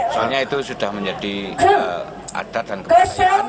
soalnya itu sudah menjadi adat dan kebersihan